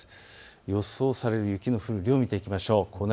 予想される雪の降る量を見ていきましょう。